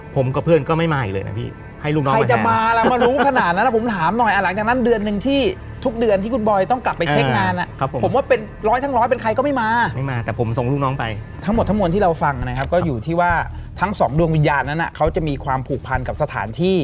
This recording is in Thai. ผมกับเพื่อนก็ไม่มาอีกเลยนะพี่